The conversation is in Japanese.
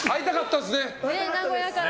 名古屋から。